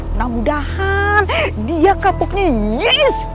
mudah mudahan dia kapoknya yes